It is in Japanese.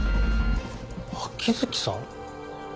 秋月さん？